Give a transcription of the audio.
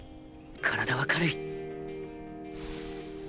体は軽い